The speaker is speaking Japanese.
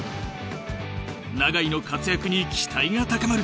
永井の活躍に期待が高まる！